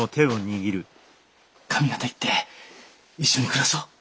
上方行って一緒に暮らそう。